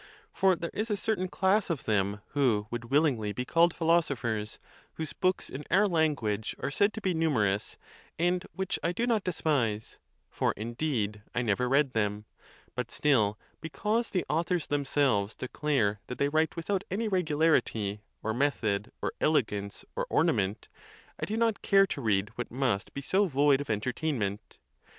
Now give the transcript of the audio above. For there is a certain class of them who would willing ly be called philosophers, whose books in our language are said to be numerous, and which I do not despise; for, indeed, I never read them: but still, because the authors themselves declare that they write without any regularity, or method, or elegance, or ornament, I do not care to read what must be so void of entertainment.